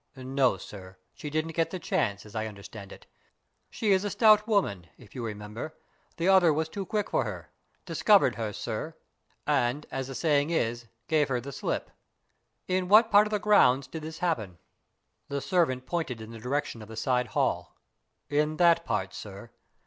"No, sir: she didn't get the chance, as I understand it. She is a stout woman, if you remember. The other was too quick for her discovered her, sir, and (as the saying is) gave her the slip." "In what part of the grounds did this happen?" The servant pointed in the direction of the side hall. "In that part, sir.